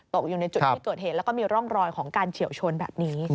ตกอยู่ในจุดที่เกิดเหตุแล้วก็มีร่องรอยของการเฉียวชนแบบนี้